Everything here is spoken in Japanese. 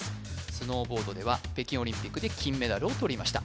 スノーボードでは北京オリンピックで金メダルを取りました